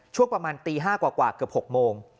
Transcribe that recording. ช่วงประมาณตี๕กว่าเกือบ๖โมง